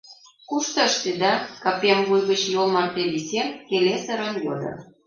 — Кушто ыштеда? — капем вуй гыч йол марте висен, келесырын йодо.